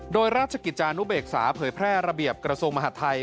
โดยราชกิจจานุเบกษาเผยแพร่ระเบียบกระทรวงมหาดไทย